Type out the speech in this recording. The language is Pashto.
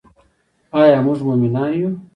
آیا موږ مومنان یو؟